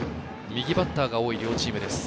右バッターが多い両チームです。